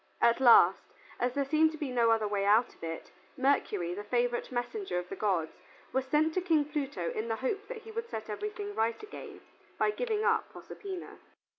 At last, as there seemed to be no other way out of it, Mercury, the favorite messenger of the gods, was sent to King Pluto in the hope that he would set everything right again by giving up Proserpina.